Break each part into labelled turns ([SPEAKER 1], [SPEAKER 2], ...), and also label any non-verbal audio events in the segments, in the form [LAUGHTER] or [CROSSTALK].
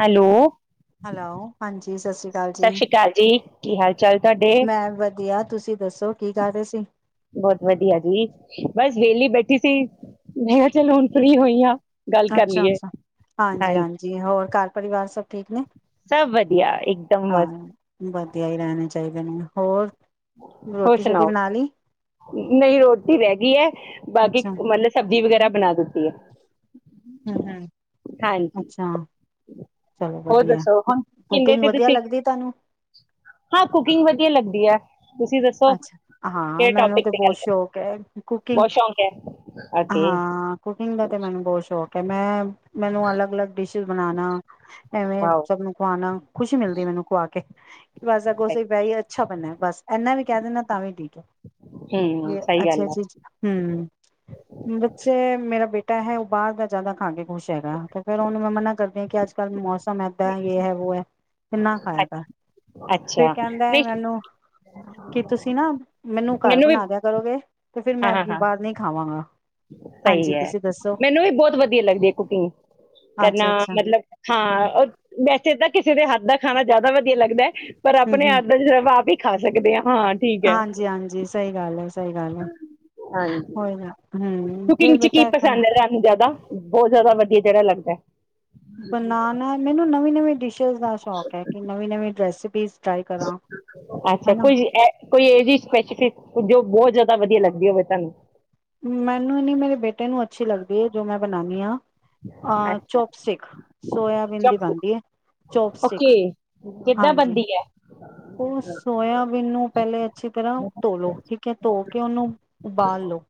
[SPEAKER 1] Hello!
[SPEAKER 2] Hello, ਹਾਂਜੀ, ਸਤਿ ਸ੍ਰੀ ਅਕਾਲ ਜੀ
[SPEAKER 1] ਸਤਿ ਸ੍ਰੀ ਅਕਾਲ ਜੀ, ਕੀ ਹਾਲ ਚਾਲ ਤੁਹਾਡੇ?
[SPEAKER 2] ਮੈਂ, ਵਧੀਆ ਤੁਸੀਂ? ਦੱਸੋ ਕੀ ਕਰ ਰਹੇ ਸੀ?
[SPEAKER 1] ਬਹੁਤ ਵਧੀਆ ਜੀ। ਬਸ ਵਿਹਲੀ ਬੈਠੀ ਸੀ, ਮੈਂ ਕਿਹਾ ਚਲ ਹੁਣ ਫਰੀ ਹੋਈ ਹਾਂ,
[SPEAKER 2] ਅੱਛਾ, ਅੱਛਾ, ਹਾਂਜੀ, ਹਾਂਜੀ, ਹੋਰ ਘਰ ਪਰਿਵਾਰ ਸਭ ਠੀਕ ਨੇ?
[SPEAKER 1] ਸਭ ਵਧੀਆ, ਇੱਕਦਮ
[SPEAKER 2] ਹਾਂ
[SPEAKER 1] ਮਸਤ!
[SPEAKER 2] ਵਧੀਆ ਰਹਿਣੇ ਹੀ ਹੋਰ?
[SPEAKER 1] ਹੋਰ
[SPEAKER 2] ਰੋਟੀ ਸ਼ੋਟੀ
[SPEAKER 1] ਸੁਣਾਓ।
[SPEAKER 2] ਬਣਾ ਲਈ
[SPEAKER 1] ਨਹੀਂ, ਰੋਟੀ ਰਹਿ ਗਈ ਹੈ, ਬਾਕੀ
[SPEAKER 2] ਅੱਛਾ
[SPEAKER 1] ਮਤਲਬ, ਸਬਜ਼ੀ ਵਗੈਰਾ ਬਣਾ ਦਿੱਤੀ ਹੈ।
[SPEAKER 2] ਹਮ ਹਮ
[SPEAKER 1] ਹਾਂਜੀ।
[SPEAKER 2] ਅੱਛਾ ਚਲੋ
[SPEAKER 1] ਹੋਰ
[SPEAKER 2] ਵਧੀਆ
[SPEAKER 1] ਦੱਸੋ, ਹੁਣ, ਕਿਹਦੇ
[SPEAKER 2] ਕੁਕਿੰਗ
[SPEAKER 1] ਤੇ
[SPEAKER 2] ਵਧੀਆ
[SPEAKER 1] ਤੁਸੀਂ,
[SPEAKER 2] ਲੱਗਦੀ ਤੁਹਾਨੂੰ
[SPEAKER 1] ਹਾਂ! ਕੁਕਿੰਗ ਵਧੀਆ ਲੱਗਦੀ ਹੈ।
[SPEAKER 2] ਅੱਛਾ! ਹਾਂ, ਮੈਨੂੰ
[SPEAKER 1] ਟੋਪਿਕ
[SPEAKER 2] ਤੇ
[SPEAKER 1] ਗੱਲ
[SPEAKER 2] ਬਹੁਤ
[SPEAKER 1] ਕਰ,
[SPEAKER 2] ਸ਼ੌਕ ਹੈ, ਕੁਕਿੰਗ
[SPEAKER 1] ਬਹੁਤ ਸ਼ੌਕ ਐ, ਓਕੇ
[SPEAKER 2] ਹਾਂ। ਕੁਕਿੰਗ ਦਾ ਤੇ ਮੈਨੂੰ ਬਹੁਤ ਸ਼ੌਕ ਕਿ ਮੈਂ, ਮੈਨੂੰ ਅਲੱਗ ਅਲੱਗ ਡਿਸ਼ਿਿਸ ਬਣਾਣਾ, ਐਵੇਂ
[SPEAKER 1] ਵਾਓ।
[SPEAKER 2] ਸਭ ਨੂੰ ਖਵਾਣਾ, ਖੁਸ਼ੀ ਮਿਲਦੀ ਮੈਨੂੰ ਖਵਾ, ਕੇ ਬਸਗੋ
[SPEAKER 1] ਸਹੀ।
[SPEAKER 2] ਬ ਅੱਛਾ ਬਣਿਆ। ਬਸ। ਇਨਾ ਵੀ ਕਹਿ ਦਿੰਦਾ ਤਾਂ ਵੀ ਠੀਕ ਹੈ,
[SPEAKER 1] ਹੂੰ,
[SPEAKER 2] ਵੀ
[SPEAKER 1] ਸਹੀ
[SPEAKER 2] ਅੱਛੀ
[SPEAKER 1] ਗੱਲ
[SPEAKER 2] ਅੱਛੀ, ਹਮ। ਬੱਚੇ, ਮੇਰਾ ਬੇਟਾ ਹੈ, ਉਹ ਬਾਹਰ ਦਾ ਜ਼ਿਆਦਾ ਖਾ ਕੇ ਖੁਸ਼ ਹੈਗਾ, ਤੇ ਫਿਰ, ਉਹਨੂੰ ਮੈਂ ਮਨਾ ਕਰਦੀ ਹਾਂ ਕਿ ਅੱਜ ਕੱਲ੍ਹ ਮੌਸਮ ਏਦਾਂ, ਯ ਹੈ ਵੋ ਹੈ। ਕਿੰਨਾ
[SPEAKER 1] ਐ,
[SPEAKER 2] ਖਾਇਆ ਕਰ, ਫਿਰ
[SPEAKER 1] ਅੱਛਾ,
[SPEAKER 2] ਕਹਿੰਦਾ ਹੈ
[SPEAKER 1] ਨਹੀਂ
[SPEAKER 2] ਮੈਨੂੰ ਕੀ, ਤੁਸੀਂ ਨਾ ਮੈਨੂੰ ਘਰ ਬਣਾ ਦਿਆ ਕਰੋਗੇ? ਤੇ ਫਿਰ ਮੈਂ
[SPEAKER 1] ਹਾਂ-ਹਾਂ-ਹਾਂ।
[SPEAKER 2] ਬਾਅਦ ਨਹੀਂ ਖਾਵਾਂਗਾ।
[SPEAKER 1] ਸਹੀ
[SPEAKER 2] ਹਾਂਜੀ
[SPEAKER 1] ਹੈ,
[SPEAKER 2] ਤੁਸੀਂ ਦੱਸੋ
[SPEAKER 1] ਮੈਨੂੰ ਵੀ ਬਹੁਤ ਵਧੀਆ ਲੱਗਦੀ ਹੈ ਕੁਕਿੰਗ। ਕਰਨਾ
[SPEAKER 2] ਅੱਛਾ ਅੱਛਾ
[SPEAKER 1] ਮਤਲਬ, ਹਾਂ। ਵੈਸੇ ਤਾਂ ਕਿਸੇ ਹੱਥ ਦਾ ਖਾਣਾ ਜ਼ਿਆਦਾ ਵਧੀਆ ਲੱਗਦਾ ਹੈ, ਪਰ,
[SPEAKER 2] ਹੂੰ
[SPEAKER 1] ਆਪਣੇ
[SPEAKER 2] ਹੂੰ
[SPEAKER 1] ਆਪ ਦਾ ਜਵਾ ਆਪ ਹੀ ਖਾ ਸਕਦੇ ਹਾਂ। ਹਾਂ ਠੀਕ ਹੈ
[SPEAKER 2] ਹਾਂਜੀ, ਹਾਂਜੀ। ਸਹੀ ਗੱਲ ਹੈ, ਸਹੀ ਗੱਲ ਹੈ, ਹੋ ਨਾ, ਹਮ।
[SPEAKER 1] ਕਿੰਗ ਚ ਕੀ ਪਸੰਦ ਏ ਤੁਹਾਨੂੰ ਜ਼ਾਦਾ? ਬੋਤ ਜ਼ਾਦਾ ਵਧੀਆ ਜਿਹੜਾ ਲੱਗਦਾ?
[SPEAKER 2] ਬਨਾਨਾ ਮੈਨੂੰ ਨਵੀਂ ਨਵੀਂ ਡਿਸ਼ ਸ਼ੀਸ਼ ਦਾ ਸ਼ੌਕ ਏ ਕਿ ਨਵੀਂ ਨਵੀ ਰੈਸ ਬੀਸ।
[SPEAKER 1] ਅੱਛਾ ਕੁਛ ਏ ਕੋਈ ਇਹ ਜ ਸਪੈਸੀਫਿਕ ਜੋ ਬੋਤ ਜ਼ਾਦਾ ਸਬ ਵਧੀਆ ਲੱਗਦੀ ਹੋਵੇ ਤੁਹਾਨੂੰ
[SPEAKER 2] ਮੈਨੂੰ ਨੀ ਮੇਰੇ ਬੇਟੇ ਨੂੰ ਅੱਛੀ ਲੱਗਦੀ ਏ। ਜੋ ਮੈਂ ਬਨਾਨੀ ਆਂ। ਅ
[SPEAKER 1] ਅੱਛਾ
[SPEAKER 2] ਚੋਪਸਟਿਕ ਸੋਇਆਬੀਨ ਦੀ ਬਨਦੀ
[SPEAKER 1] ਚੌਕਸ
[SPEAKER 2] ਏ। ਚੋਪਸਟਿਕ,
[SPEAKER 1] ਓਕੇ ਕਿੱਦਾਂ
[SPEAKER 2] ਹਾਂਜੀ।
[SPEAKER 1] ਬੰਦੀ ਹੈ
[SPEAKER 2] ਉਹ ਸੋਇਆਬੀਨ ਨੂੰ ਪਹਿਲੇ ਅੱਛੀ ਤਰ੍ਹਾਂ ਧੋ ਲੋ ਠੀਕ ਏ। ਧੋ ਕੇ ਉਹਨੂੰ ਉਬਾਲ ਲੋ।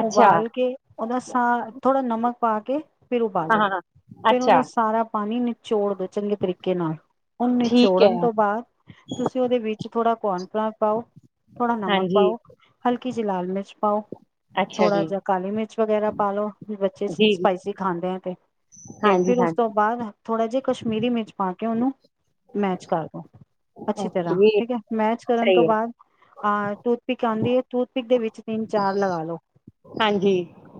[SPEAKER 1] ਅੱਛਾ
[SPEAKER 2] ਉਬਾਲ ਕੇ ਉਹਦਾ ਸਾਹ ਥੋੜਾ ਨਮਕ ਪਾ ਕੇ ਫਿਰ
[SPEAKER 1] ਹਾਂ
[SPEAKER 2] ਉਬਾਲੋ।
[SPEAKER 1] ਹਾਂ, ਹਾਂ
[SPEAKER 2] ਫੇਰ ਉਹਦਾ
[SPEAKER 1] ਅੱਛਾ
[SPEAKER 2] ਸਾਰਾ ਪਾਨੀ ਨਿ ਚੋੜ ਦੋ ਚੰਗੇ ਤਰੀਕੇ ਨਾਲ। ਉਹਨ
[SPEAKER 1] ਠੀਕ ਹੈ
[SPEAKER 2] ਨਿਚੋੜਨ ਤੋਂ ਬਾਦ ਤੁਸੀਂ ਉਹਦੇ ਵਿੱਚ ਥੋੜ੍ਹਾ ਕੋਰਨ ਫਲਾਰ ਪਾਓ, ਥੋੜਾ ਨਮਕ
[SPEAKER 1] ਹਾਂਜੀ
[SPEAKER 2] ਪਾਓ, ਹਲਕੀ ਜਿਹੀ ਲਾਲ ਮਿਰਚ ਪਾਓ।
[SPEAKER 1] ਅੱਛਾ ਜੀ
[SPEAKER 2] ਥੋੜਾ ਜਿਹਾ ਕਾਲੀ ਮਿਰਚ ਵਗੈਰਾ ਪਾ ਲੋ ਵੀ ਬੱਚੇ
[SPEAKER 1] ਜੀ ਜੀ
[SPEAKER 2] ਸਪਾਈਸੀ ਖਾਂਦੇ ਆ ਤੇ। ਤੇ
[SPEAKER 1] ਹਾਂਜੀ
[SPEAKER 2] ਫਿਰ
[SPEAKER 1] ਹਾਂਜੀ
[SPEAKER 2] ਉਸ ਤੋਂ ਬਾਦ ਥੋੜਾ ਜੇ ਕਸ਼ਮੀਰੀ ਮਿਰਚ ਪਾ ਕੇ ਉਹਨੂੰ ਮੈਚ ਕਰਦੋ, ਅੱਛੀ ਤਰ੍ਹਾਂ
[SPEAKER 1] ਓਕੇ
[SPEAKER 2] ਠੀਕ ਏ। ਮੈਚ ਕਰਨ
[SPEAKER 1] ਸਹੀ
[SPEAKER 2] ਤੋਂ
[SPEAKER 1] ਹੈ
[SPEAKER 2] ਬਾਅਦ ਅਹ ਟੂਥਪਿਕ ਆਂਦੀ ਏ, ਟੂਥਪਿਕ ਦੇ ਵਿੱਚ ਤਿੰਨ ਚਾਰ ਲਗਾ ਲੋ।
[SPEAKER 1] ਹਾਂਜੀ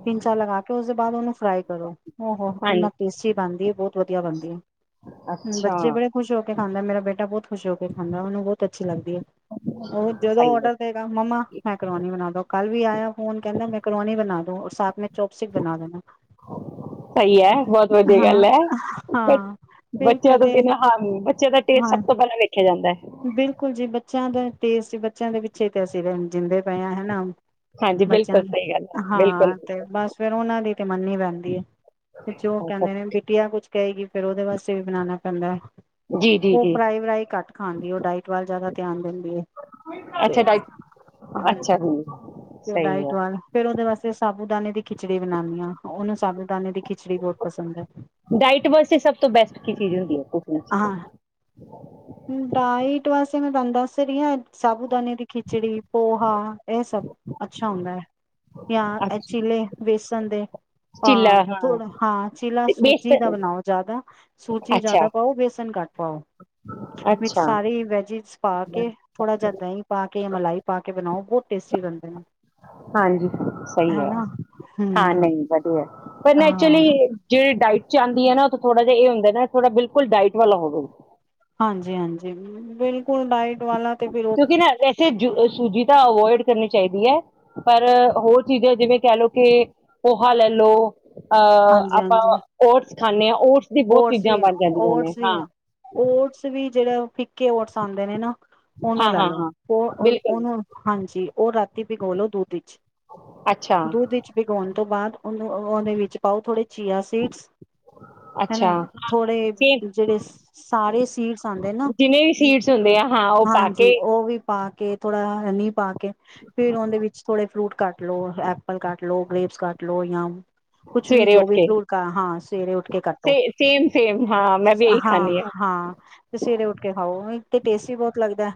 [SPEAKER 2] ਸਿੰਚਾ ਲਗਾ ਕੇ ਉਸਦੇ ਬਾਦ ਉਹਨੂੰ ਫਰਾਈ ਕਰੋ। ਓ ਹੋ
[SPEAKER 1] ਹਾਂਜੀ
[SPEAKER 2] ਕਿੰਨਾ ਟੇਸਟੀ ਬਨ ਦੀ ਬੋਤ ਵਧੀਆ ਬਨਦੀ ਏ। ਹੁੰ,
[SPEAKER 1] ਅੱਛਾ
[SPEAKER 2] ਬੱਚੇ ਬੜੇ ਖੁਸ਼ ਹੋ ਕੇ ਖਾਂਦੇ, ਮੇਰਾ ਬੇਟਾ ਬੋਤ ਖੁਸ਼ ਕੇ ਖਾਂਦਾ ਉਹਨੂੰ ਬੋਤ ਅਛ ਲੱਗਦੀ ਏ। ਉਹ ਜਦੋਂ
[SPEAKER 1] ਸਹੀ ਹੈ
[SPEAKER 2] ਔਡਰ ਦੇਗਾ ਮੰਮਾ ਮੇਕਰੋਨੀ ਬਨਾਦੋ। ਕੱਲ ਵੀ ਆਇਆ ਫੋਨ ਦਾ ਮੇਕਰੋਨੀ ਬਨਾ ਦੋ ਔਰ ਸਾਥ ਮੇ
[SPEAKER 1] ਸਹੀ ਏ। ਬੋਤ ਵਧੀਆ
[SPEAKER 2] ਹਾਂ
[SPEAKER 1] ਗੱਲ ਏ। ਬਚ
[SPEAKER 2] ਹਾਂ ਫਿਰ
[SPEAKER 1] ਬੱਚਿਆਂ ਤੋਂ
[SPEAKER 2] ਕਦੇ
[SPEAKER 1] ਬਿਨਾਂ ਹਨ ਬੱਚਿਆਂ ਦਾ ਟੇਸਟ
[SPEAKER 2] ਹਾਂ
[SPEAKER 1] ਸਭ ਤੋਂ ਪਹਿਲਾਂ ਵੇਖਿਆ ਜਾਂਦਾ ਐ।
[SPEAKER 2] ਬਿਲਕੁਲ ਜੀ ਬੱਚਿਆਂ ਦਾ ਟੇਸਟ, ਬੱਚਿਆਂ ਦੇ ਪਿੱਛੇ ਤੇ ਅਸੀਂ ਜਿੰਦੇ ਪਏ ਆਂ ਹੇਨਾ।
[SPEAKER 1] ਹਾਂਜੀ ਬਿਲਕੁਲ
[SPEAKER 2] ਬੱਚਿਆਂ
[SPEAKER 1] ਸਹੀ ਗੱਲ ਹੈ ਬਿਲਕੁਲ
[SPEAKER 2] ਹਾਂ ਤੇ
[SPEAKER 1] ਬਿਲਕੁਲ
[SPEAKER 2] ਬਸ ਫੇਰ ਉਹਨਾਂ ਦੀ ਤੇ ਮੰਨੀਨੀ ਪੈਂਦ [UNINTELLIGIBLE] ਜੋ ਉਹ
[SPEAKER 1] ਅੱਛਾ
[SPEAKER 2] ਕਹਿੰਦੇ ਨੇ। ਬਿਟੀਆ ਕੁਝ ਕਹੇਗੀ ਫੇਰ ਉਹਦੇ ਵਾਸਤੇ ਵੀ ਬਨਾਨਾ ਪੈਂਦਾਏ।
[SPEAKER 1] ਜੀ ਜੀ
[SPEAKER 2] ਉਹ
[SPEAKER 1] ਜੀ
[SPEAKER 2] ਫਰਾਈ ਵਰਾਈ ਕੱਟ ਖਾਂਦੀ। ਉਹ ਡਾਇਟ ਵੱਲ ਜ਼ਿਆਦਾ ਧਿਆਨ ਦਿੰਦੀ ਏ।
[SPEAKER 1] ਅੱਛਾ
[SPEAKER 2] ਤੇ
[SPEAKER 1] ਡਾਇਟ
[SPEAKER 2] ਹ
[SPEAKER 1] ਅੱਛਾ ਜੀ
[SPEAKER 2] ਤੇ ਉਹ
[SPEAKER 1] ਸਹੀ
[SPEAKER 2] ਡਾਇਟ
[SPEAKER 1] ਹੈ
[SPEAKER 2] ਵੱਲ ਫੇਰ ਉਹਦੇ ਵਾਸਤੇ ਸ ਦਾਨੇ ਦੀ ਖਿਚੜੀ ਬਨਾਮੀ ਉਹਨੂੰ ਸਾਬੂ ਦਾਨੇ ਦੀ ਖਿਚੜੀ ਬਹੁਤ ਪਸੰਦ ਹੈ
[SPEAKER 1] ਡਾਇਟ ਵਾਸਤੇ ਸਭ ਤੋਂ ਬੈਸਟ ਕੀ ਚੀਜ਼ ਹੁੰਦੀ ਹੈ ਕੁਕਿੰਗ
[SPEAKER 2] ਹਾਂ ਡਾਇਟ ਵਾਸਤੇ ਮੈਂ ਤੁਹਾਨੂੰ ਦੱਸ ਰਹੀ, ਹਾਂ ਸਾਬੂਦਾਨੇ ਦੀ ਖਿਚੜੀ ਪੋਹਾ ਇਹ ਸਭ ਅੱਛਾ ਹੁੰਦਾ ਹੈ। ਜਾਂ ਇਹ
[SPEAKER 1] ਅੱਛਾ
[SPEAKER 2] ਚਿਲੇ ਬੇਸਨ ਦੇ
[SPEAKER 1] ਚਿੱਲਾ
[SPEAKER 2] ਅਹ
[SPEAKER 1] ਹਾਂ
[SPEAKER 2] ਥੋੜਾ ਹਾਂ ਚਿਲਾ
[SPEAKER 1] ਬੇਸਟ
[SPEAKER 2] ਸੂਜੀ ਦਾ ਬਣਾਓ ਜ਼ਿਆਦਾ ਸੂਜੀ
[SPEAKER 1] ਅੱਛਾ
[SPEAKER 2] ਜ਼ਿਆਦਾ ਪਾਓ ਬੇਸਨ ਘੱਟ ਹਾਂ, ਵਿੱਚ
[SPEAKER 1] ਅੱਛਾ
[SPEAKER 2] ਸਾਰੇ ਵੈਜ ਪਾ ਕੇ ਥੋੜਾ ਜਿਹਾ ਦਹੀਂ ਪਾ ਕੇ। ਕਿ ਮਲਾਈ ਪਾ ਕੇ ਬਣਾਓ ਬਹੁਤ ਟੇਸਟੀ ਬਿਨਦੇ ਨੇ,
[SPEAKER 1] ਹਾਂਜੀ ਸਹੀ ਹੈ
[SPEAKER 2] ਹਨਾ
[SPEAKER 1] ਹਾਂ
[SPEAKER 2] ਹਮ
[SPEAKER 1] ਨਹੀਂ ਵਧੀਆ, ਪਰ
[SPEAKER 2] ਹਾਂ
[SPEAKER 1] ਐਕਚੁਲੀ ਜ ਡਾਇਟ ਆਦੀ ਹੈ ਨਾ ਉਹ ਥੋੜਾ ਜਿਹਾ ਇਹ ਹੁੰਦਾ ਨਾ ਥੋੜ ਬਿਲਕੁਲ ਡਾਇਟ ਵਾਲਾ ਹੋਵੇੂਗਾ।
[SPEAKER 2] ਹਾਂਜੀ-ਹਾਂਜੀ ਬਿਲਕੁਲ ਡਾਇਟ ਵਾਲਾ ਤੇ ਫਿਰ ਉਹ
[SPEAKER 1] ਕਿਉਂਕਿ ਨਾ ਵੈਸੇ ਸੂਜੀ ਤਾਂ ਅਵੋਇਡ ਕਰਨੀ ਚਾਹੀਦੀ ਹੈ। ਪਰ ਹੋਰ ਚੀਜ਼ਾਂ ਜਿਵੇਂ ਕਹਿ ਲਓ ਕਿ ਪੋਹਾ ਲੈ ਲਓ। ਅਹ ਆਪਾਂ
[SPEAKER 2] ਹਾਂਜੀ-ਹਾਂਜੀ
[SPEAKER 1] ਰ ਖਾਂਦੇ ਹਾਂ ਉਹ
[SPEAKER 2] ਓਟਸ ਵੀ ਆ ਓਟਸ ਵੀ ਆ ਓਟਸ ਵੀ ਜਿਹੜਾ ਫਿੱਕੇ ਓਟਸ ਆਦੇ ਨੇ ਨਾ, ਉਹਨੂੰ
[SPEAKER 1] ਹਾਂ
[SPEAKER 2] ਲਾ
[SPEAKER 1] ਹਾਂ
[SPEAKER 2] ਲੋ
[SPEAKER 1] ਹਾਂ
[SPEAKER 2] ਉਹ
[SPEAKER 1] ਬਿਲਕੁਲ
[SPEAKER 2] ਉਹਨੂੰ ਹਾਂਜੀ ਉਹ ਰਾਤੀ ਭਿਗਾ ਲੋ ਦੁੱਧ ਵਿੱਚ
[SPEAKER 1] ਅੱਛਾ
[SPEAKER 2] ਦੁੱਧ ਵਿੱਚ ਭਿਗਾਉਣ ਤੋਂ ਬਾਅਦ-' ਉਹਨ ਉਹਦੇ ਵਿੱਚ ਪਾਓ ਥੋੜੇ ਚੀਆ ਸੀਡਸ,
[SPEAKER 1] ਅੱਛਾ
[SPEAKER 2] ਹਨਾ, ਥੋੜੇ
[SPEAKER 1] ਸੇਮ
[SPEAKER 2] ਜਿਹੜੇ ਸਾਰੇ ਸੀਡਸ ਆਉਂਦੇ ਨਾ
[SPEAKER 1] ਜਿੰਨੇ ਵੀ ਸੀਡਸ ਹੁੰਦੇ ਆ ਹਾਂ ਉਹ ਪਾ ਕੇ
[SPEAKER 2] ਹਾਂਜੀ ਉਹ ਵੀ ਪਾ ਕੇ ਥੋੜ੍ਹਾ ਨੀਹ ਪਾ ਕੇ ਫੇਿਰ ਉਹਦੇ ਵਿੱਚ ਥੋੜੇ ਫਰੂਟ ਕੱਟ ਲੋੋ ਐਪਲ ਕੱਟ ਲੋੋ ਗ੍ਰੇਪਸ ਕੱਟ ਲੋ ਜਾਂ ਕੁਛ ਵੀ
[SPEAKER 1] ਸਵੇਰੇ
[SPEAKER 2] ਜੋ
[SPEAKER 1] ਉੱਠ
[SPEAKER 2] ਵੀ
[SPEAKER 1] ਕੇ
[SPEAKER 2] ਫੂਲਕਾ ਹਾਂ ਸਵੇਰੇ ਉੱਠ ਕੱਟੋ
[SPEAKER 1] ਸੇ ਸੇਮ ਸੇਮ ਹਾਂ ਮੈਂ ਵੀ ਇਹੀ
[SPEAKER 2] ਹਾਂ
[SPEAKER 1] ਖਾਂਦੀ
[SPEAKER 2] ਹਾਂ ਤੇ ਸਵੇਰੇ ਉੱਠ ਕੇ ਖਾਓ। ਉਹ ਤੇ ਟੇਸਟ ਵੀ ਬਹੁਤ ਲੱਗਦਾ।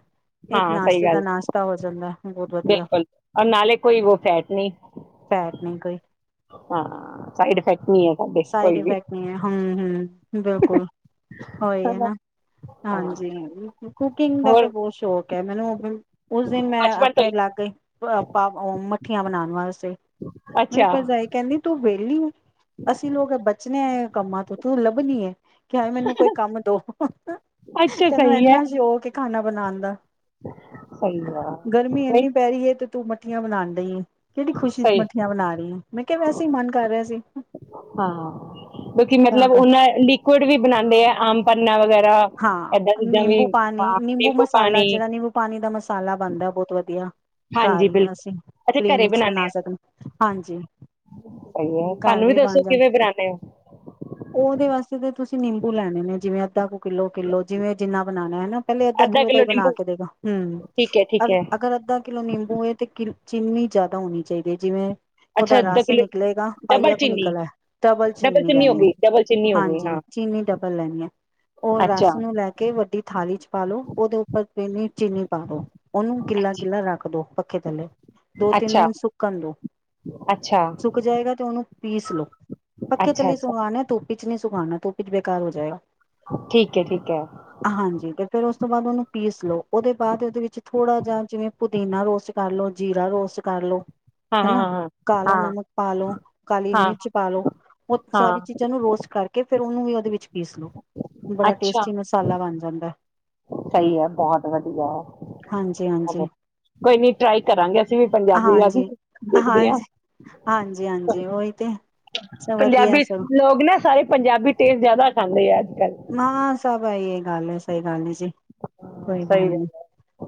[SPEAKER 2] ਇੱਕ
[SPEAKER 1] ਹਾਂ ਸਹੀ
[SPEAKER 2] ਨਾਸ਼ਤੇ ਦਾ
[SPEAKER 1] ਗੱਲ
[SPEAKER 2] ਨਾਸ਼ਤਾ ਹੋ ਜਾਂਦਾ ਬਹੁਤ ਵਧੀਆ
[SPEAKER 1] ਬਿਲਕੁਲ ਰ ਨਾਲੇ ਕੋਈ ਵ ਫੈਟ ਨਹੀਂ
[SPEAKER 2] ਫੈਟ ਨਹੀਂ ਕੋਈ
[SPEAKER 1] ਹਾਂ ਸਾਈਡ ਇਫੈਕਟ ਨਹੀਂ ਹੈ। ਸਾਡੇ
[SPEAKER 2] ਸਾਈਡ
[SPEAKER 1] ਕੋਈ ਵੀ
[SPEAKER 2] ਇਫੈਕਟ ਨਹੀਂ ਹੈ, ਹੂੰ-ਹੂੰ, ਬਿਲਕੁਲ ਹੋਹੀ ਹੈ,
[SPEAKER 1] ਸਾਡਾ
[SPEAKER 2] ਨਾ
[SPEAKER 1] ਹਾਂ
[SPEAKER 2] ਹਾਂਜੀ ਕੁਕਿੰਗ ਦਾ
[SPEAKER 1] ਹੋਰ
[SPEAKER 2] ਤੇ ਬਹੁਤ ਸ਼ੌਕ ਮੈਨੂੰ, ਉਸ ਦਿਨ
[SPEAKER 1] ਬਚਪਨ ਤੋਂ ਹੀ
[SPEAKER 2] ਮੈਂ ਲੱਗ ਗਈ ਆਪ ਮੱਠੀਆਂ ਬਣਾਉਣ ਵਾਸਤੇ ਮੇਰੀ
[SPEAKER 1] ਅੱਛਾ
[SPEAKER 2] ਭਰਜਾਈ ਕਹਿੰਦੀ ਤੂੰ ਇ [UNINTELLIGIBLE] ਅਸੀਂ ਲੋਕ ਬਚਣੇ ਆ ਕੰਮਾਂ ਤੋਂ ਤੂੰ ਲੱਭਣੀ ਹੈ ਕਿ ਹਏ ਮੈਨੂੰ ਕੋਈ ਕੰਮ ਦੋ
[SPEAKER 1] ਅੱਛਾ
[SPEAKER 2] ਤੈਨੂੰ
[SPEAKER 1] ਸਹੀ ਹੈ
[SPEAKER 2] ਇੰਨਾ ਸੀ। ਖਾਣਾ ਬਣਾਉਣ ਦਾ,
[SPEAKER 1] ਸਹੀ ਆ।
[SPEAKER 2] ਗਰਮੀ ਇੰਨੀ ਪੈ ਰਹੀ ਏ ਤੇ ਤੂੰ ਮੱਠੀਆਂ ਬਣਾਣ ਡਈ ਐ। ਕਿਹੜੀ ਖੁਸ਼ੀ ਚ
[SPEAKER 1] ਸਹੀ
[SPEAKER 2] ਮੱਠੀਆਂ ਬਣਾ ਰਹੀਆਂ। ਮੈਂ ਕਿਹਾ- ਵੈਸੇ ਹੀ ਮਨ ਕਰ ਰਿਹਾ ਸੀ।
[SPEAKER 1] ਹਾਂ। ਕਿਉਕਿ
[SPEAKER 2] ਤਾਂ
[SPEAKER 1] ਮਤਲਬ
[SPEAKER 2] ਕਰ
[SPEAKER 1] ਉਹਨਾਂ ਲਿਕੁਡ ਵੀ ਬਣਾਉਂਦੇ ਆ। ਆਮ [INAUDIBLE] ਐਦਾਂ
[SPEAKER 2] ਹਾਂ।
[SPEAKER 1] ਚੀਜ਼ਾਂ ਵੀ
[SPEAKER 2] ਨਿੰਬੂ ਪਾਣੀ,
[SPEAKER 1] ਹਾਂ
[SPEAKER 2] ਨਿੰਬੂ ਮਸਾਲਾ
[SPEAKER 1] ਪਾਣੀ
[SPEAKER 2] ਜਿਹੜਾ ਨਿੰਬੂ ਪਾਣੀ ਦਾ ਮਸਾਲਾ ਬਣਦਾ। ਬਹੁਤ ਵਧੀਆ ਘਰ
[SPEAKER 1] ਹਾਂਜੀ
[SPEAKER 2] ਹੀ
[SPEAKER 1] ਬਿਲਕੁਲ
[SPEAKER 2] ਅਸੀਂ
[SPEAKER 1] ਅੱਛਾ ਘਰੇ
[SPEAKER 2] ਪ੍ਰੇਮਿਕਸ ਬਣਾ
[SPEAKER 1] ਬਣਾਉਂਦੇ ਹੋ
[SPEAKER 2] ਸਕਦੇ। ਹਾਂਜੀ,
[SPEAKER 1] ਸਹੀ ਹੈ
[SPEAKER 2] ਘਰ
[SPEAKER 1] ਸਾਨੂੰ
[SPEAKER 2] ਵੀ ਬਣ
[SPEAKER 1] ਦੱਸੋ
[SPEAKER 2] ਜਾਣਾ।
[SPEAKER 1] ਕਿਵੇਂ ਬਣਾਉਂਦੇ ਹੋ
[SPEAKER 2] ਉਹਦੇ ਵਾਸਤੇ [INAUDIBLE] ਨਿੰਬੂ ਲੈਣੇ ਨੇ ਜਿਵੇਂ [INAUDIBLE] ਕਿੱਲੋ- ਕਿੱਲੋ ਜਿਵੇਂ ਜਿੰਨਾ ਬਣਾਣੇ ਇਹ ਨਾ ਪਹਿਲੇ ਅੱਧਾ ਕਿੱਲੋ ਦਾ
[SPEAKER 1] ਕਿਲੋ
[SPEAKER 2] ਹੀ ਬਣਾ
[SPEAKER 1] ਨਿੰਬੂ
[SPEAKER 2] ਕੇ ਦੇਗਾ। ਹਮ,
[SPEAKER 1] ਠੀਕ ਹੈ
[SPEAKER 2] ਅ
[SPEAKER 1] ਠੀਕ ਹੈ
[SPEAKER 2] ਅਗਰ ਅੱਧਾ ਕਿਲੋ ਨਿੰਬੂ ਹੋਏ ਤੇ ਕਿ ਚਿੰਨੀ ਜ਼ਿਆਦਾ ਹੋਣੀ ਚਾਹੀਦੀ ਏ। ਜਿਵੇਂ
[SPEAKER 1] ਅੱਛਾ
[SPEAKER 2] ਉਹਦਾ
[SPEAKER 1] ਅੱਧਾ
[SPEAKER 2] ਰਸ
[SPEAKER 1] ਕਿਲੋ
[SPEAKER 2] ਨਿਕਲੇਗਾ।
[SPEAKER 1] ਡਬਲ
[SPEAKER 2] ਪਾਈਆ ਕੁ
[SPEAKER 1] ਚੀਨੀ
[SPEAKER 2] ਨਿਕਲ ਏ ਡਬਲ ਚੀਨੀ
[SPEAKER 1] ਹੋ
[SPEAKER 2] ਲੈਣੀ ਆ।
[SPEAKER 1] ਗਈ ਡਬਲ ਚੀਨੀ ਹੋ ਗਈ
[SPEAKER 2] ਹਾਂਜੀ,
[SPEAKER 1] ਹਾਂ
[SPEAKER 2] ਚੀਨੀ ਡਬਲ ਲੈਣੀ ਏ। ਉਹ ਰਸ
[SPEAKER 1] ਅੱਛਾ
[SPEAKER 2] ਨੂੰ ਲੈ ਕੇ ਵੱਡੀ ਥਾਲੀ ਚ ਪਾਲੋ। ਉਹਦੇ ਉੱਪਰ [UNINTELLIGIBLE] ਚੀਨੀ ਪਾਦੋ ਉਨੂੰ ਗਿੱਲਾ-
[SPEAKER 1] ਅੱਛਾ
[SPEAKER 2] ਗਿੱਲਾ ਰੱਖ ਦੋ, ਪੱਖੇ ਥੱਲੇ ਦੋ -ਤਿੰਨ
[SPEAKER 1] ਅੱਛਾ
[SPEAKER 2] ਦਿਨ ਸੁੱਕਣ ਦੋ,
[SPEAKER 1] ਅੱਛਾ
[SPEAKER 2] ਸੁੱਕ ਜਾਏਗਾ ਤੇ ਉਹਨੂੰ ਪੀਸ ਲੋ। ਪੱਖੇ
[SPEAKER 1] ਅੱਛਾ
[SPEAKER 2] ਥੱਲੇ ਸੁਕਨਾ ਹੈ ਧੁੱਪ ਪਿਚ ਨਹੀਂ ਸੁਖਾਨਾ ਤੁਪ ਵਿੱਚ ਬੇਕਾਰ ਹੋ ਜਾਏਗਾ।
[SPEAKER 1] ਠੀਕ ਹੈ, ਠੀਕ ਹੈ।
[SPEAKER 2] ਹਾਂਜੀ ਤੇ ਫੇਰ ਉਸ ਤੋਂ ਬਾਅਦ ਉਹਨੂੰ ਪੀਸ ਲੋਓ। ਉਹਦੇ ਬਾਅਦ ਵਿੱਚ ਥੋੜਾ ਜਾ ਜਿਵੇਂ ਪੁਦੀਨਾ ਰੋਸਟ ਕਰ ਲੋ, ਜੀਰਾ ਰੋਸਟ ਕਰ ਲੋ
[SPEAKER 1] ਹਾਂ ਹਾਂ
[SPEAKER 2] ਹਨਾ। ਕਾਲਾ
[SPEAKER 1] ਹਾਂ ਹਾਂ
[SPEAKER 2] ਨਮਕ ਪਾ ਲੋ, ਕਾਲੀ
[SPEAKER 1] ਹਾਂ
[SPEAKER 2] ਮਿਰਚ ਪਾ ਲਓ। ਉਹ
[SPEAKER 1] ਹਾਂ
[SPEAKER 2] ਸਾਰੀ
[SPEAKER 1] ਹਾਂ
[SPEAKER 2] ਚੀਜ਼ਾਂ ਨੂੰ ਰੋਸਟ ਕਰਕੇ ਫੇਰ ਉਹਨੂੰ ਵੀ ਉਹਦੇ ਵਿੱਚ [INAUDIBLE]
[SPEAKER 1] ਅੱਛਾ।
[SPEAKER 2] ਟੇਸਟੀ ਮਸਾਲਾ ਬਣ ਜਾਂਦਾ
[SPEAKER 1] ਸਹੀ ਹੈ, ਬਹੁਤ ਵਧੀਆ
[SPEAKER 2] ਹਾਂਜੀ ਹਾਂਜੀ
[SPEAKER 1] ਕੋਈ ਨੀ ਟਰਾਈ ਕਰਾਂਗੇ। ਅਸੀਂ ਵੀ ਪੰਜਾਬੀ ਆ
[SPEAKER 2] ਹਾਂਜੀ
[SPEAKER 1] ਦੇਖਦੇ ਹਾਂ
[SPEAKER 2] ਜੀ, ਓਈ ਤੇ ਸਭ ਵਧੀਆ
[SPEAKER 1] ਪੰਜਾਬੀ
[SPEAKER 2] ਸਭ
[SPEAKER 1] ਲੋਕ ਨਾ, ਸਾਰੇ ਪੰਜਾਬੀ ਟੇਸਟ ਜ਼ਿਆਦਾ ਅੰ [INAUDIBLE]
[SPEAKER 2] ਮਾਂ ਸਭਾਈ ਗੱਲ ਏ, ਸਹੀ ਗੱਲ ਹੈ ਜੀ। ਕੋਈ ਗੱਲ
[SPEAKER 1] ਸਹੀ
[SPEAKER 2] ਨੀ।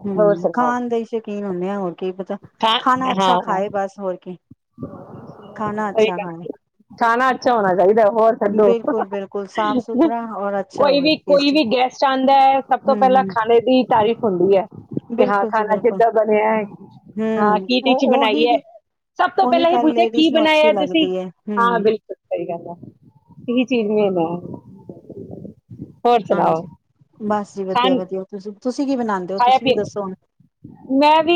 [SPEAKER 1] ਹੈ ਹੋਰ
[SPEAKER 2] ਹਮ,
[SPEAKER 1] ਸੁਣਾਓ
[SPEAKER 2] ਖਾਣ ਦੇ ਹੀ ਸ਼ੌਕੀਨ ਹੁੰਦੇ ਆ ਹੁਣ ਕੀ ਪਤਾ
[SPEAKER 1] ਖਾ
[SPEAKER 2] ਖਾਣਾ
[SPEAKER 1] ਹਾਂ
[SPEAKER 2] ਅੱਛਾ
[SPEAKER 1] ਹਾਂ
[SPEAKER 2] ਖਾਏ ਬਸ ਹੋਰ ਕੀ ਖਾਣਾ ਅੱਛਾ ਖਾਏ
[SPEAKER 1] ਖਾਣਾ ਅੱਛਾ ਹੋਣਾ ਚਾਹੀਦਾ ਹੋਰ ਛਦੋ
[SPEAKER 2] ਬਿਲਕੁਲ ਬਿਲਕੁਲ ਸਾਫ਼ ਸੁਥਰਾ ਔਰ ਅੱਛਾ
[SPEAKER 1] ਕੋਈ
[SPEAKER 2] ਹੋਵੇ
[SPEAKER 1] ਵੀ ਕੋਈ
[SPEAKER 2] ਟੇਸਟੀ
[SPEAKER 1] ਵੀ ਗੈਸਟ ਆਉਂਦਾ ਹੈ ਸਭ ਤੋਂ
[SPEAKER 2] ਹੂੰ
[SPEAKER 1] ਪਹਿਲਾਂ
[SPEAKER 2] ਹੂੰ
[SPEAKER 1] ਖਾਣੇ ਦੀ ਤਾਰੀਫ਼ ਹੁੰਦੀ ਹੈ ਕਿ ਹਾਂ
[SPEAKER 2] ਬਿਲਕੁਲ ਜੀ
[SPEAKER 1] ਖਾਣਾ
[SPEAKER 2] ਬਿਲਕੁਲ
[SPEAKER 1] ਕਿੱਦਾਂ ਬਣਿਆ ਹੈ ਹਾਂ
[SPEAKER 2] ਹੂੰ
[SPEAKER 1] ਕੀ ਡਿਸ਼
[SPEAKER 2] ਉਹ
[SPEAKER 1] ਬਣਾਈ
[SPEAKER 2] ਉਹੀ
[SPEAKER 1] ਹੈ ਸਭ ਤੋਂ
[SPEAKER 2] ਉਹੀ
[SPEAKER 1] ਪਹਿਲਾਂ ਇਹ
[SPEAKER 2] ਗੱਲ
[SPEAKER 1] ਪੁੱਛਿਆ
[SPEAKER 2] ਲੇਡੀਜ਼
[SPEAKER 1] ਕੀ
[SPEAKER 2] ਨੂੰ ਅੱਛੀ
[SPEAKER 1] ਬਣਾਇਆ ਤੁਸੀਂ
[SPEAKER 2] ਲੱਗਦੀ ਹੈ
[SPEAKER 1] ਹਾਂ
[SPEAKER 2] ਹੂੰ
[SPEAKER 1] ਬਿਲਕੁਲ ਸਹੀ ਗੱਲ ਹੈ ਚਿਰਨ ਦਾ
[SPEAKER 2] ਹਾਂਜੀ ਬਸ ਜੀ ਵਧੀਆ
[SPEAKER 1] ਖਾਣ
[SPEAKER 2] ਵਧੀਆ ਤੁਸੀਂ ਕੀ ਬਣਾਉਂਦੇ ਹੋ
[SPEAKER 1] ਖਾਇਆ
[SPEAKER 2] ਤੁਸੀਂ ਵੀ
[SPEAKER 1] ਫੇਿਰ
[SPEAKER 2] ਦੱਸੋ ਹੁਣ
[SPEAKER 1] ਮੈਂ ਵੀ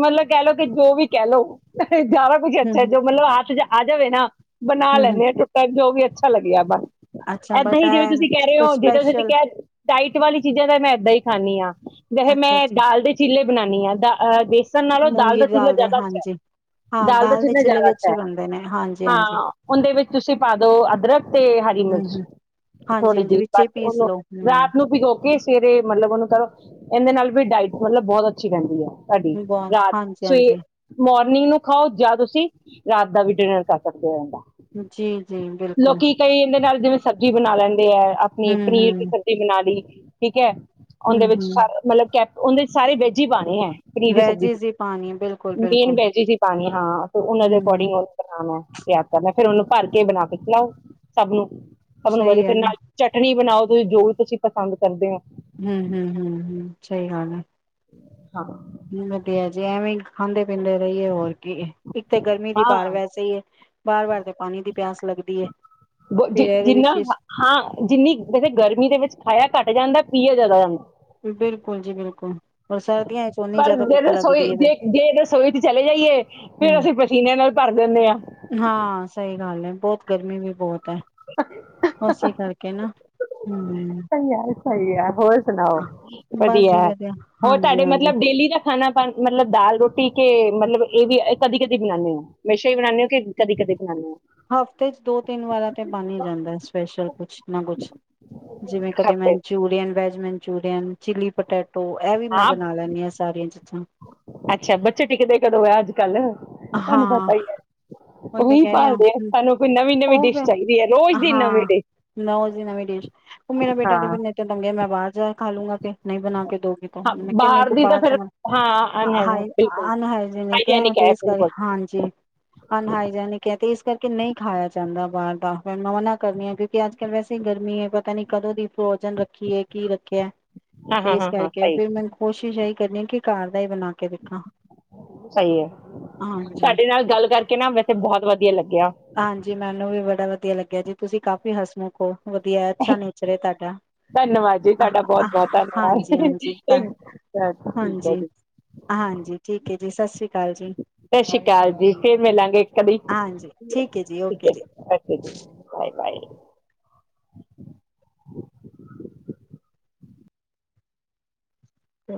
[SPEAKER 1] ਮਤਲਬ ਕਹਿ ਲਓ ਕਿ ਜੋ ਵੀ ਕਹਿ ਲਓ ਸਾਰਾ ਕੁਛ
[SPEAKER 2] ਹੂੰ
[SPEAKER 1] ਅੱਛਾ
[SPEAKER 2] ਹੂੰ
[SPEAKER 1] ਜੋ ਮਤਲਬ ਆ ਆਜ ਜਵੇ ਨਾ ਬਣਾ
[SPEAKER 2] ਹੂੰ ਹੂੰ
[SPEAKER 1] ਲੈਂਦੇ ਆ ਚਟ ਜੋ ਵੀ ਅੱਛਾ ਲੱਗਿਆ ਬਸ
[SPEAKER 2] ਅੱਛਾ
[SPEAKER 1] ਇੱਦਾਂ ਹੀ ਜਿਵੇਂ
[SPEAKER 2] ਬਟੈਨ
[SPEAKER 1] ਤੁਸੀਂ ਕਹਿ ਰਹੇ
[SPEAKER 2] ਕੋਈ
[SPEAKER 1] ਹੋ ਜ ਤੁ
[SPEAKER 2] ਸਪੈਸ਼ਲ
[SPEAKER 1] ਕਹਿ ਡਾਈਟ ਵਾਲੀ ਚੀਜ਼ਾਂ ਤਾਂ ਮੈਂ ਇੱਦਾਂ ਹੀ ਖਾਂਦੀ ਹਾਂ ਵੈਸੇ
[SPEAKER 2] ਅੱਛਾ
[SPEAKER 1] ਮੈਂ
[SPEAKER 2] ਅੱਛਾ
[SPEAKER 1] ਦਾਲ ਦੇ ਚੀਲੇ ਬਣਾਉਾਨਦੀ ਹਾਂ ਦਹ ਬੇਸਣ ਨਾਲੋਂ ਦਾਲ
[SPEAKER 2] ਮੂੰਗੀ
[SPEAKER 1] ਦਾ
[SPEAKER 2] ਦੀ
[SPEAKER 1] ਚੀ੍ਹਲਾ
[SPEAKER 2] ਦੇ
[SPEAKER 1] ਜ਼ਿਆਦਾ ਅੱਛਾ ਹੈ
[SPEAKER 2] ਹਾਂਜੀ ਹਾਂ
[SPEAKER 1] ਦਾਲ ਦਾ
[SPEAKER 2] ਦੇ
[SPEAKER 1] ਚੀਲਾ
[SPEAKER 2] ਚਿੱਲੇ
[SPEAKER 1] ਜ਼ਿਆਦਾ
[SPEAKER 2] ਵੀ
[SPEAKER 1] ਅੱਛਾ
[SPEAKER 2] ਅੱਛੇ
[SPEAKER 1] ਹੈ
[SPEAKER 2] ਬਣਦੇ ਨੇ ਹਾਂਜੀ ਹਾਂਜੀ
[SPEAKER 1] ਹਾਂ ਉਹਦੇ ਵਿੱਚ ਤੁਸੀਂ ਪਾ ਦੋ ਅਦਰਕ ਤੇ ਹਰੀ
[SPEAKER 2] ਹੂੰ
[SPEAKER 1] ਮਿਰਚ
[SPEAKER 2] ਹੂੰ ਹਾਂਜੀ
[SPEAKER 1] ਥੋੜ੍ਹੀ
[SPEAKER 2] ਹਾਂਜੀ
[SPEAKER 1] ਜਿਹੀ
[SPEAKER 2] ਵਿੱਚੇ ਹੀ
[SPEAKER 1] ਬਸ
[SPEAKER 2] ਪੀਸ
[SPEAKER 1] ਉਹਨੂੰ
[SPEAKER 2] ਲਓ
[SPEAKER 1] ਰਾਤ
[SPEAKER 2] ਹੂੰ
[SPEAKER 1] ਨੂੰ ਭਿੋ ਕੀ ਸੇਰੇ ਮਤਲਬ ਉਹਨੂੰ ਕਰੋ ਇਹਦੇ ਨਾਲ ਵੀ ਡਾਇਟ ਮਤਲਬ ਬਹੁਤ ਅੱਛੀ ਰਹਿੰਦੀ ਹੈ ਤੁਡੀ
[SPEAKER 2] ਬਹੁਤ
[SPEAKER 1] ਰਾਤ
[SPEAKER 2] ਹਾਂਜੀ
[SPEAKER 1] ਸਵੇ
[SPEAKER 2] ਹਾਂਜੀ
[SPEAKER 1] ਮੋਰਨ ਮਰਿੰਗ ਨੂੰ ਖਾਓ ਜਾਂ ਤੁਸੀਂ ਰਾਤ ਦਾ ਵੀ ਡਿਨਰ ਕਰ ਸਕਦੇ ਹੋ ਰਹਦਾ
[SPEAKER 2] ਜੀ ਜੀ ਬਿਲਕੁਲ
[SPEAKER 1] ਲੋਕੀ ਕਈ ਇਹਦੇ ਨਾਲ ਜਿਵੇਂ ਸਬਜ਼ੀ ਬਣਾ ਲੈਂਦੇ ਹੈ ਆਪਣੀ
[SPEAKER 2] ਹੂੰ
[SPEAKER 1] ਪਨੀਰ ਦੀ ਸਬਜ਼ੀ ਬਣਾ ਲਈ ਠੀਕ ਹੈ।
[SPEAKER 2] ਹਮ
[SPEAKER 1] ਉਹਦੇ ਵਿੱਚ
[SPEAKER 2] ਹਮ।
[SPEAKER 1] ਸਾਰਾ ਮਤਲਬ ਸਾਰੇ ਵੈਜੀ ਹੀ ਪਾਉਣੇ ਹੈ ਪਨੀਰ ਦੀ ਸਬਜ਼ੀ
[SPEAKER 2] ਵੈਜਿਸ ਹੀ ਪਾਣੀ ਬਿਲਕੁਲ
[SPEAKER 1] ਮੇਨ
[SPEAKER 2] ਬਿਲਕੁਲ
[SPEAKER 1] ਵੈਜੀਜੀ ਸੀ ਪਾਉਣੀ ਹਾਂ ਤੇ ਉਹਨਾਂ ਦੇ
[SPEAKER 2] ਹਮ
[SPEAKER 1] ਅਕੋਰਡਿੰਗ ਉਹਨ ਬਣਾਉਣਾ ਹੈ ਯ ਕਰਨਾ ਫੇਰ ਉਹਨੂੰ ਭਰ ਕੇ ਬਣਾ ਕੇ ਚਲਾਓ ਸਭ ਨੂੰ ਸਭ ਨੂੰ ਵਧ
[SPEAKER 2] ਸਹੀ ਹੈ
[SPEAKER 1] ਫਿਰ
[SPEAKER 2] ਨਾ
[SPEAKER 1] ਨਾਲ ਚਟਨੀ ਬਣਾਓ ਜੋ ਤੁਸੀ ਪਸੰਦ ਕਰਦੇ ਹ
[SPEAKER 2] ਹਮ ਹਮ ਹਮ ਹਮ ਸਹੀ ਗਲ ਹੈ
[SPEAKER 1] ਹਾਂ
[SPEAKER 2] ਵਧੀਆ ਜੇ ਐਵੇਂ ਖਾਂਦੇ ਪੀਂਦੇ ਰਹੀਏ ਹੋਰ ਇੱਕ ਤਾਂ ਗਰਮੀ ਦੀ ਬਾਰ
[SPEAKER 1] ਹਾਂ
[SPEAKER 2] ਵੈਸੇ ਹੀ ਹੈ ਵਾਰ ਵਾਰ ਤੇ ਪਾਣੀ ਦੀ ਪਿਆਸ ਲੱਗਦੀ ਹੈ
[SPEAKER 1] ਬ-
[SPEAKER 2] ਫਿਰ
[SPEAKER 1] ਜਿ-
[SPEAKER 2] ਇਹਦੇ
[SPEAKER 1] ਜਿੰਨਾ
[SPEAKER 2] ਵਿੱਚ
[SPEAKER 1] ਹਾਂ ਜਿੰਨੀ ਵੈਸੇ ਗਰਮੀ ਦੇ ਵਿੱਚ ਖਾਇਆ ਘੱਟ ਜਾਂਦਾ ਪੀਆ ਜ਼ਿਆਦਾ ਜਾਂਦਾ
[SPEAKER 2] ਬਿਲਕੁਲ ਜੀ ਬਿਲਕੁਲ। ਔਰ ਸਰਦੀਆਂ ਚ ਓਨੀ
[SPEAKER 1] ਪਰ
[SPEAKER 2] ਜ਼ਿਆਦਾ
[SPEAKER 1] ਜੇ
[SPEAKER 2] ਭੁੱਖ
[SPEAKER 1] ਰਸੋਈ
[SPEAKER 2] ਲੱਗਦੀ ਹੈ ਫਿਰ
[SPEAKER 1] ਜੇ ਜੇ ਰਸੋਈ ਚ ਚਲੇ ਜਾਈਏ ਫਿਰ
[SPEAKER 2] ਹਮ
[SPEAKER 1] ਅਸੀਂ ਪਸੀਨੇ ਨਾਲ ਭਰ ਦਿੰਦੇ ਹਾਂ
[SPEAKER 2] ਹਾਂ ਸਹੀ ਗੱਲ ਹੈ ਬਹੁਤ ਗਰਮੀ ਵੀ ਬਹੁਤ ਹੈ। ਅਸੀੇ, ਕਰਕੇ ਨਾ ਹਮ।
[SPEAKER 1] ਸਹੀ ਯਾਰ, ਸਹੀ। ਹੋਰ ਸੁਣਾਓ।
[SPEAKER 2] ਬਸ ਜੀ
[SPEAKER 1] ਵਧੀਆ। ਹੋਰ
[SPEAKER 2] ਹਾਂਜੀ
[SPEAKER 1] ਤੁਹਾਡੇ,
[SPEAKER 2] ਹਾਂਜੀ
[SPEAKER 1] ਮਤਲਬ ਡੇਲੀ ਦਾ ਖਾਣਾ, ਪਾ ਮਤਲਬ, ਦਾਲ ਰੋਟੀ ਕੇ, ਮਤਲਬ ਇਹ ਵੀ ਕਦੀ ਕਦੀ, ਬਣਾਉਦੇ ਹਾਂ, ਮੈੰ
[SPEAKER 2] ਹਫ਼ਤੇ ਚ, ਦੋ ਤਿੰਨ ਵਾਰ ਤੇ, ਬਣ ਹੀ ਜਾਂਦਾ, ਸਪੈਸ਼ਲ ਕੁਛ ਨਾ ਕੁਛ, ਜਿਵੇਂ ਕਦੇ
[SPEAKER 1] ਖਾਤੇ
[SPEAKER 2] Manchurian, veg Manchurian, chilli potato, ਇਹ ਵੀ ਮੈਂ
[SPEAKER 1] ਹਾਂ
[SPEAKER 2] ਬਣਾ ਲੈਦੀ ਹਾਂ, ਸਾਰੀਆਂ ਚੀਜ਼ਾਂ
[SPEAKER 1] ਅੱਛਾ ਬੱਚੇ ਟਿਕਦੇ ਕਦੋਂ ਆ ਅੱਜ ਕੱਲ? ਤੁਹਾਨੂੰ
[SPEAKER 2] ਹਾਂ!
[SPEAKER 1] ਪਤਾ ਹੀ ਹੈ
[SPEAKER 2] ਉਹੀ ਤੇ ਕਹਿ ਰਿਹਾ,
[SPEAKER 1] ਭਾਲਦੇ ਆ ਸਾਨੂੰ ਕੋਈ ਨਵੀਂ ਨਵੀਂ
[SPEAKER 2] ਉਹ
[SPEAKER 1] ਡਿਸ਼
[SPEAKER 2] ਫੇਰ,
[SPEAKER 1] ਚਾਹੀਦੀ ਹੈ ਰੋਜ਼ ਦੀ ਨਵੀਂ
[SPEAKER 2] ਹਾਂ,
[SPEAKER 1] ਡਿਸ਼
[SPEAKER 2] ਰੌਜ ਹੀ ਨਵੀਂ ਡਿਸ਼। ਉਹ ਮੇਰਾ ਬੇਟਾ ਤੇ
[SPEAKER 1] ਹਾਂ
[SPEAKER 2] ਫਿਰ ਨੇ ਤ ਤੰਗੇਿਆ, ਨਾ ਬਾਹਰ ਜਾਕੇ ਖਾ ਲੂੰਗਾ ਫੇਰ, ਨਹੀਂ ਬਣਾ ਕੇ ਦੋਗੇ ਤੇ।
[SPEAKER 1] ਹਾਂ
[SPEAKER 2] ਮੈਂ ਕਿਹਾ ਨਹੀਂ
[SPEAKER 1] ਬਾਹਰ
[SPEAKER 2] ਤੂੰ
[SPEAKER 1] ਦੀ ਤਾਂ
[SPEAKER 2] ਬਾਅਰ ਜਾ
[SPEAKER 1] ਫਿਰ
[SPEAKER 2] ਕੇ ਨਾਂ
[SPEAKER 1] ਹਾਂ
[SPEAKER 2] ਖਾ,
[SPEAKER 1] ਅਨਹੈਲਥ ਬਿਲਕੁਲ ਹਾਈਜੈਨਿਕ ਹੈ
[SPEAKER 2] ਅਨਹੈਲਥੀ
[SPEAKER 1] ਬਿਲਕੁਲ
[SPEAKER 2] ਹਾਂਜੀ। ਅਹਾਈਜੈਨਿਕ ਹੈ ਤੇ, ਇਸ ਕਰਕੇ ਨਹੀਂ ਖਾਇਆ ਜਾਂਦਾ ਬਾਹਰ ਦਾ ਫੈਰ ਮੈਂ ਮਨਾ ਕਰਨੀ ਆ, ਕਿਉਕਿ ਅੱਜ ਕੱਲ ਵੈਸੇ ਹੀ ਗਰਮੀ ਹੈ, ਪਤਾ ਨੀ ਕਦੋਂ ਦੀ ਪ੍ਰੋਜਨ ਰੱਖੀਏ, ਕੀ ਰੱਖਿਆ
[SPEAKER 1] ਹਾਂ
[SPEAKER 2] ਤੇ
[SPEAKER 1] ਹਾਂ
[SPEAKER 2] ਇਸ
[SPEAKER 1] ਹਾਂ ਹਾਂ
[SPEAKER 2] ਕਰਕੇ,
[SPEAKER 1] ਸਹੀ
[SPEAKER 2] ਫਿਰ ਮੈਨੂੰ ਕੋਸ਼ਿਸ਼ ਏਹੀ ਕਹਦੇ ਹਾਂ ਕਿ ਘਰ ਦਾ ਹੀ ਬਣਾ ਕੇ ਦੇਖਾਂ। ਹਾਂਜੀ।
[SPEAKER 1] ਸਾਡੇ ਨਾਲ ਗੱਲ ਕਰਕੇ ਨਾ, ਵੈਸੇ ਬਹੁਤ ਵਧੀਆ ਲੱਗਿਆ।
[SPEAKER 2] ਹਾਂਜੀ ਮੈਨੂੰ ਵੀ ਬੜਾ ਵਧੀਆ ਲੱਗਿਆ ਜੀ, ਤੁਸੀਂ ਕਾਫੀ ਹਸਮੁਖ ਹੋ। ਵਧੀਆ, ਅੱਛਾ ਨੇਚਰ ਹੈ ਤੁਹਾਡਾ।
[SPEAKER 1] ਧੰਨਵਾਦ ਜੀ ਤੁਹਾਡਾ ਬਹੁਤ ਬਹੁਤ
[SPEAKER 2] ਹਾਂਜੀ,
[SPEAKER 1] ਧੰਨਵਾਦ
[SPEAKER 2] ਹਾਂਜੀ,
[SPEAKER 1] ਇੱਕ ਠੀਕ ਹੈ
[SPEAKER 2] ਹਾਂਜੀ,
[SPEAKER 1] ਜੀ
[SPEAKER 2] ਹਾਂਜੀ, ਠੀਕ ਹੈ ਜੀ ਸਤਿ ਸ੍ਰੀ ਅਕਾਲ। ਸਤਿ ਸ੍ਰੀ ਅਕਾਲ ਜੀ।
[SPEAKER 1] ਸਤਿ ਸ੍ਰੀ ਅਕਾਲ ਜੀ ਫਿਰ ਮਿਲਾਂਗੇ ਕਦੀ।
[SPEAKER 2] ਹਾਂਜੀ ਹੈ ਜੀ
[SPEAKER 1] ਠੀਕ
[SPEAKER 2] ਓਕੇ
[SPEAKER 1] ਹੈ ਜੀ। Bye, bye.
[SPEAKER 2] ਚ